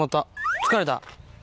疲れた？